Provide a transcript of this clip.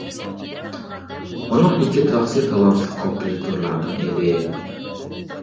ئۇنىڭ ئىككى تاغىسى تالانتلىق كومپوزىتورلاردىن ئىدى.